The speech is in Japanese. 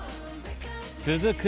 続く